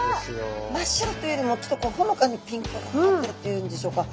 真っ白というよりもちょっとこうほのかにピンクがかってるっていうんでしょうか。